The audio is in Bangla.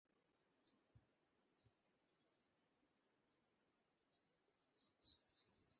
শিখা চিরন্তনীতে ঢুঁ মারার লোভটা ছাড়া গেল না, জায়গাটা বেশ সুন্দর।